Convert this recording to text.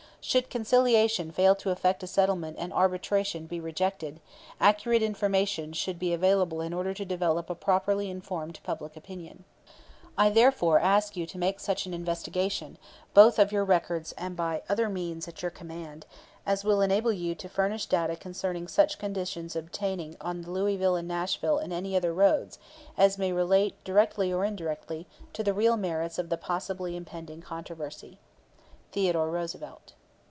Should conciliation fail to effect a settlement and arbitration be rejected, accurate information should be available in order to develop a properly informed public opinion. "I therefore ask you to make such investigation, both of your records and by any other means at your command, as will enable you to furnish data concerning such conditions obtaining on the Louisville and Nashville and any other roads, as may relate, directly or indirectly, to the real merits of the possibly impending controversy. "THEODORE ROOSEVELT."